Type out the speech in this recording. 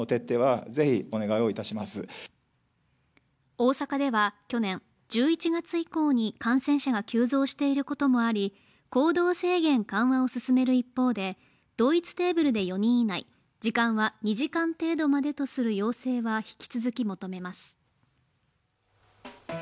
大阪では去年、１１月以降に感染者が急増していることもあり行動制限緩和を進める一方で、同一テーブルで４人以内、時間は２時間程度までとする要請は引き続き求めます。